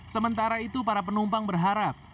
sementara itu para penumpang berharap